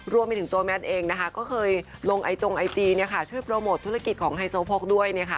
รวมไปถึงตัวแมทเองนะคะก็เคยลงไอจงไอจีช่วยโปรโมทธุรกิจของไฮโซโพกด้วย